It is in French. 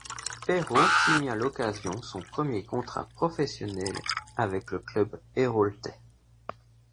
Perraux signe à l'occasion son premier contrat professionnel avec le club héraultais.